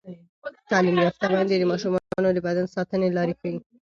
تعلیم یافته میندې د ماشومانو د بدن ساتنې لارې ښيي.